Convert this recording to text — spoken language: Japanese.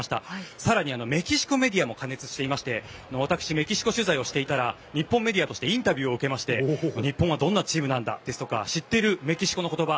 更にメキシコメディアも過熱していまして私、メキシコ取材をしていたら日本メディアとしてインタビューを受けまして日本はどんなチームなんだですとか知っているメキシコの言葉